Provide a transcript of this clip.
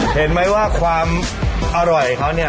เห็นไหมว่าความอร่อยเขาเนี่ย